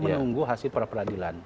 menunggu hasil peradilan